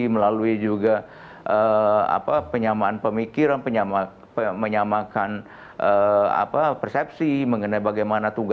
melalui juga apa penyamaan pemikiran penyamakan apa persepsi mengenai bagaimana tugasnya